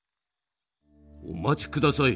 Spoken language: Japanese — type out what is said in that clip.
お待ちください。